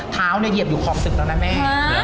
เท้าเหยียบอยู่ของศึกแล้วนะแม่